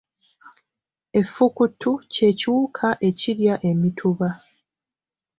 Effukutu kye kiwuka ekirya emituba.